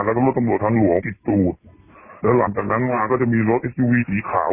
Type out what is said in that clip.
แล้วก็รถตำรวจทางหลวงปิดตูดแล้วหลังจากนั้นมาก็จะมีรถเอ็กซีวีสีขาว